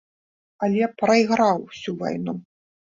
Але прайграў усю вайну.